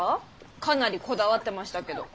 かなりこだわってましたけど。